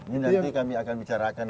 ini nanti kami akan bicarakan